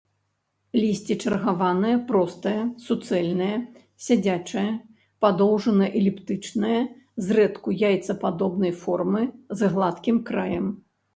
Лісце чаргаванае, простае, суцэльнае, сядзячае, падоўжана-эліптычнае, зрэдку яйцападобнай формы, з гладкім краем.